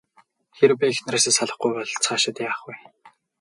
Хэрэв би эхнэрээсээ салахгүй бол цаашид яах вэ?